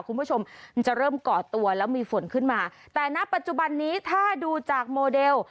คุณผู้ชมมันจะเริ่มก่อตัวแล้วมีฝนขึ้นมาแต่ณปัจจุบันนี้ถ้าดูจากโมเดล